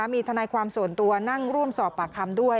มีทนายความส่วนตัวนั่งร่วมสอบปากคำด้วย